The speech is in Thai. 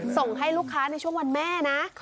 ส่งให้ลูกค้าในช่วงวันแม่นะ